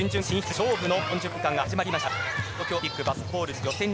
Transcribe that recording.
勝負の４０分間が始まりました。